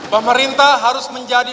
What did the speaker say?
pemerintah harus menjadi